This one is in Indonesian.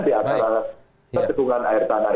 di atas kegungan air tanah